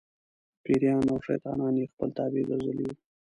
پېریان او شیطانان یې خپل تابع ګرځولي وو.